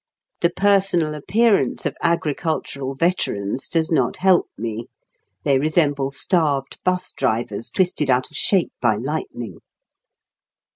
The personal appearance of agricultural veterans does not help me; they resemble starved 'bus drivers twisted out of shape by lightning.